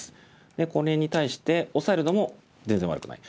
でこれに対してオサえるのも全然悪くない。